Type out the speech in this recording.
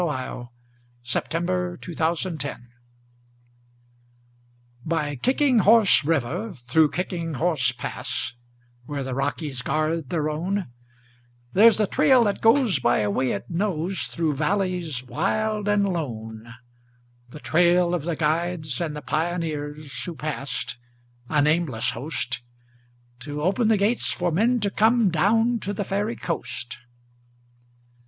SONG OF THE KICKING HORSE By Kicking Horse River, through Kicking Horse Pass, Where the Rockies guard their own, There's a trail that goes by a way it knows Through valleys wild and lone,— The trail of the guides and the pioneers Who passed—a nameless host— To open the gates for men to come Down to the Fairy Coast.